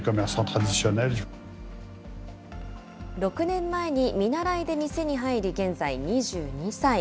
６年前に見習いで店に入り、現在２２歳。